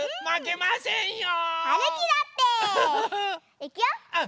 いくよ！